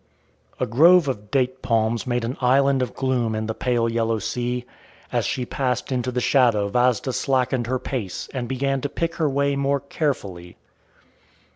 A grove of date palms made an island of gloom in the pale yellow sea. As she passed into the shadow Vasda slackened her pace, and began to pick her way more carefully.